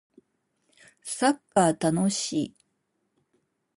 サッカー楽しい